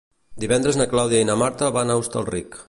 Divendres na Clàudia i na Marta van a Hostalric.